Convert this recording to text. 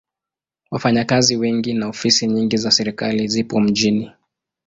Wafanyakazi wengi na ofisi nyingi za serikali zipo mjini.